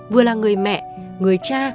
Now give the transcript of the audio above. vừa là người mẹ người cha